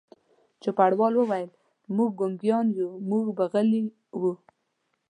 چوپړوال وویل: موږ ګونګیان یو، موږ به غلي وو.